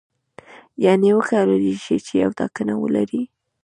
یعنې وکولای شي یوه ټاکنه ولري.